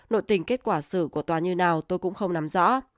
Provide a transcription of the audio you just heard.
nội tình kết quả xử của tòa như nào tôi cũng không nắm rõ